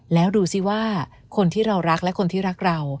แล้วดูสิว่าคนที่เรารักและคนที่รักเรา